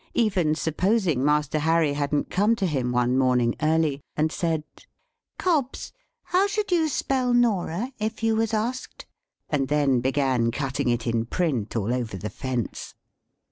Even supposing Master Harry hadn't come to him one morning early, and said, "Cobbs, how should you spell Norah, if you was asked?" and then began cutting it in print all over the fence.